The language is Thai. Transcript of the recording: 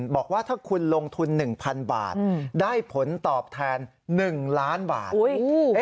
บอกว่าถ้าคุณลงทุน๑๐๐๐บาทได้ผลตอบแทน๑ล้านบาท